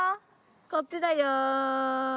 こっちだよ。